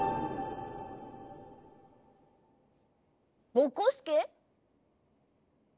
ぼこすけ？